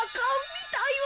みたいわ。